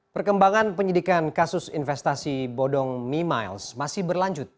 perkembangan penyidikan kasus investasi bodong mi miles masih berlanjut